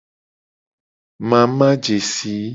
Mamajesi.